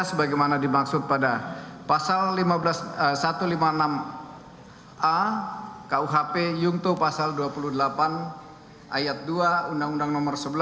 sebagaimana dimaksud pada pasal satu ratus lima puluh enam a kuhp yungto pasal dua puluh delapan ayat dua undang undang nomor sebelas